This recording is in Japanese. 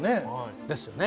ですよね。